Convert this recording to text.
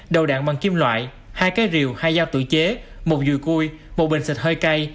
đầu đạn bằng kim loại hai cái rìu hai dao tự chế một dùi cui một bình xịt hơi cay